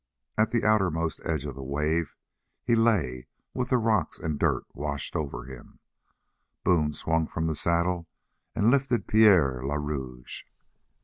At the outermost edge of the wave he lay with the rocks and dirt washed over him. Boone swung from the saddle and lifted Pierre le Rouge.